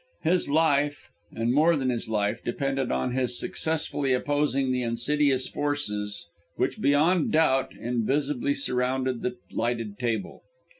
His life, and more than his life, depended upon his successfully opposing the insidious forces which beyond doubt, invisibly surrounded that lighted table.